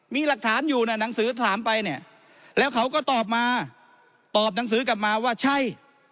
มีหลักฐานอยู่นะหนังสือถามไปเนี่ยแล้วเขาก็ตอบมาตอบหนังสือกลับมาว่าใช่